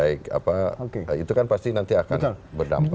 itu kan pasti nanti akan berdampak